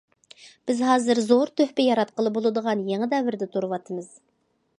بىز ھازىر زور تۆھپە ياراتقىلى بولىدىغان يېڭى دەۋردە تۇرۇۋاتىمىز.